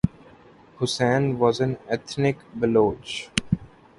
Hussain was an ethnic Baloch.